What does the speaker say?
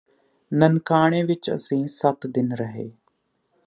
ਨਨਕਾਣੇ ਵਿਚ ਅਸੀਂ ਸੱਤ ਦਿਨ ਰਹੇ